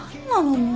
もう。